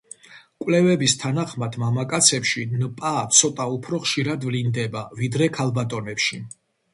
კვლევების თანახმად მამაკაცებში ნპა ცოტა უფრო ხშირად ვლინდება ვიდრე ქალბატონებში.